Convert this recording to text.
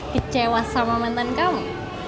kecewa sama mantan kamu